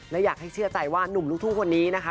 และอยากให้เชื่อใจว่านุ่มลูกทุ่งคนนี้นะคะ